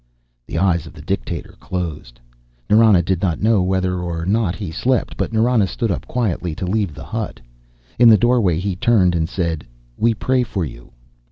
The eyes of the dictator closed. Nrana did not know whether or not he slept, but Nrana stood up quietly to leave the hut. In the doorway, he turned and said, "We pray for you."